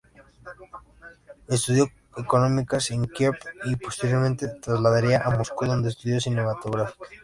Estudió económicas en Kiev y posteriormente se trasladaría a Moscú donde estudió cinematografía.